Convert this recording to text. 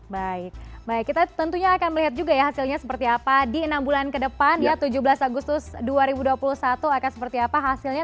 baik baik kita tentunya akan melihat juga ya hasilnya seperti apa di enam bulan ke depan ya tujuh belas agustus dua ribu dua puluh satu akan seperti apa hasilnya